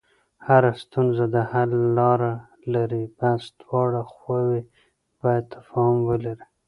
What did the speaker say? هره ستونزه د حل لاره لري، بس دواړه خواوې باید تفاهم ولري.